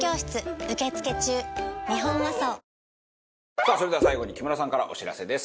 さあそれでは最後に木村さんからお知らせです。